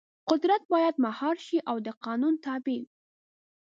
قدرت باید مهار شي او د قانون تابع وي.